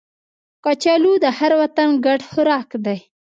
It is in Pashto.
کچالو د هر وطن ګډ خوراک دی